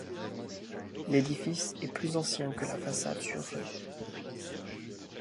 L'édifice est plus ancien que la façade sur rue.